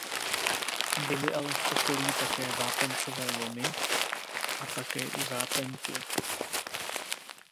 Byly ale v okolí také vápencové lomy a také i vápenky.